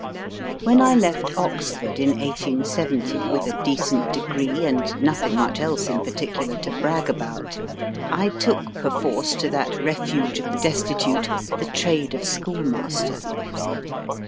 When I left Oxford in 1870, with a decent degree and nothing much else in particular to brag about, I took perforce to that refuge of the destitute, the trade of schoolmaster.